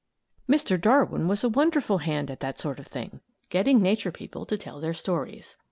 ] Mr. Darwin was a wonderful hand at that sort of thing getting nature people to tell their stories.